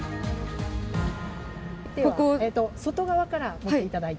手は外側から持っていただいて。